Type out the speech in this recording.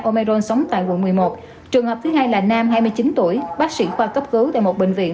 omeron sống tại quận một mươi một trường hợp thứ hai là nam hai mươi chín tuổi bác sĩ khoa cấp cứu tại một bệnh viện